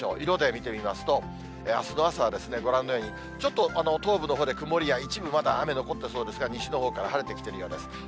色で見てみますと、あすの朝はご覧のように、ちょっと東部のほうで曇りや、一部、まだ雨残ってそうですが、西のほうから晴れてきてるようです。